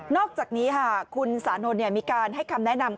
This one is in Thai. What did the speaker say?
อกจากนี้คุณสานนท์มีการให้คำแนะนำ